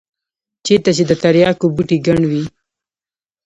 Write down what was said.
چېرته چې د ترياکو بوټي گڼ وي.